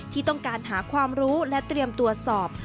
ที่ต้องการหาความรู้และเตรียมตรวจสอบ